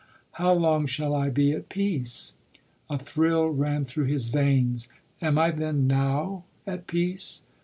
" How long shall I be at peace ?* A thrill ran through his veins. <k Am I then now at peace?